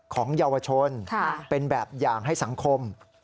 ของเยาวชนเป็นแบบอย่างให้สังคม